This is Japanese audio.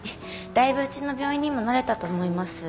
だいぶうちの病院にも慣れたと思います。